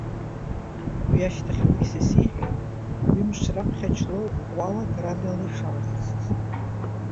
Уи ашьҭахь Алықьса исеиҳәеит ҩымш раԥхьа Ҷлоу ӷәӷәала град ала ишалахысыз.